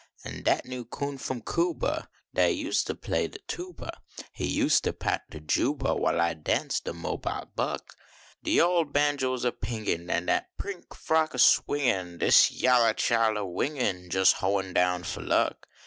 An dat new coon f om Cuba, Dat used to play de tuba, He used to pat de juba, \Yhile I dance de Mobile buck. De ole banjo was a pingin An dat pink frock a swingin , Dis yaller chile a wingin , Jes hoein down fo luck.